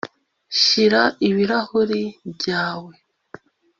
shyira ibirahuri byawe